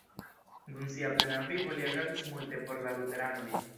Dum sia plena vivo li agadis multe por la luteranoj.